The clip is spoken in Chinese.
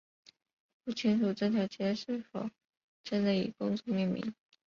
不清楚这条街是否真的以公主命名。